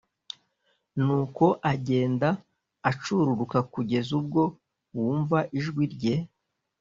nuko agenda acururuka kugeza ubwo wumva ijwi rye